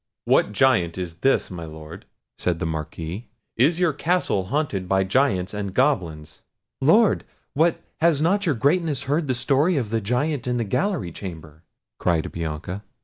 "What Giant is this, my Lord?" said the Marquis; "is your castle haunted by giants and goblins?" "Lord! what, has not your Greatness heard the story of the Giant in the gallery chamber?" cried Bianca.